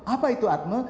apa itu atme